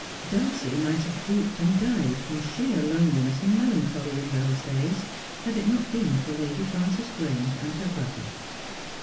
Dulcie might have drooped and died from sheer loneliness and melancholy in those days, had it not been for Lady Prances Grange and her brother.